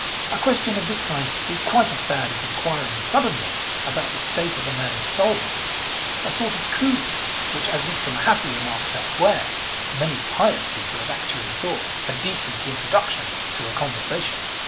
A question of this kind is quite as bad as inquiring suddenly about the state of a man's soul, a sort of coup which, as Mr. Mahaffy remarks elsewhere, 'many pious people have actually thought a decent introduction to a conversation.'